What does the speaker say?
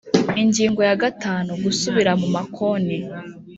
Ingingo ya gatanu Gusubira mu makonti